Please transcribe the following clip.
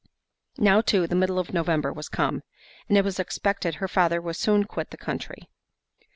Now too, the middle of November was come, and it was expected her father would soon quit the country.